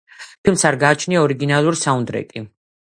ფილმს არ გააჩნია ორიგინალური საუნდტრეკი.